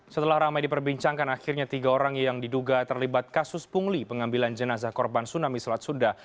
setelah ramai diperbincangkan akhirnya tiga orang yang diduga terlibat kasus pungli pengambilan jenazah korban tsunami selat sunda